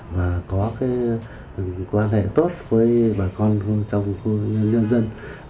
và có quan hệ tốt với bà con trong khu nhân dân